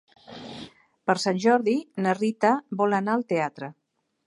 Per Sant Jordi na Rita vol anar al teatre.